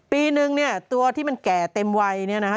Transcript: ปีนึงเนี่ยตัวที่มันแก่เต็มวัยเนี่ยนะคะ